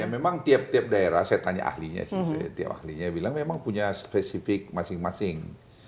ya memang tiap tiap daerah saya tanya ahlinya sih setiap ahlinya bilang memang punya spesifik masing masing